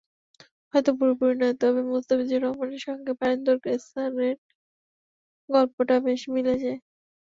হয়তো পুরোপুরি নয়, তবে মুস্তাফিজুর রহমানের সঙ্গে বারিন্দর স্রানের গল্পটা বেশ মিলে যায়।